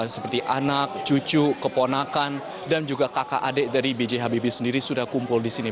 seperti anak cucu keponakan dan juga kakak adik dari b j habibie sendiri sudah kumpul di sini